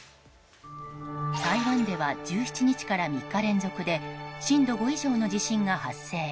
台湾では１７日から３日連続で震度５以上の地震が発生。